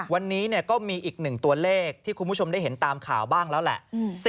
วันนี้ก็มีอีกหนึ่งตัวเลขที่คุณผู้ชมได้เห็นตามข่าวบ้างแล้วแหละ